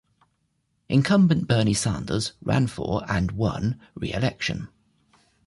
Incumbent Bernie Sanders ran for and won re-election.